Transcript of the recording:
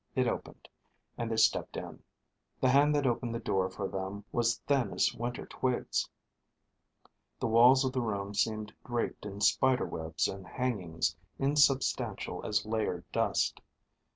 It opened, and they stepped in._ _The hand that opened the door for them was thin as winter twigs. The walls of the room seemed draped in spider webs and hangings insubstantial as layered dust.